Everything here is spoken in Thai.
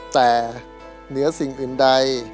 แต่เหนือสิ่งอื่นใด